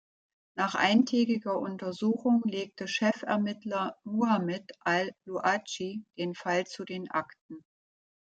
Nach eintägiger Untersuchung legte Chefermittler Muhammad al-Luaji den Fall zu den Akten.